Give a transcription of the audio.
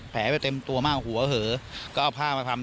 แผลไปเต็มตัวมากหัวเหอก็เอาผ้ามาพำ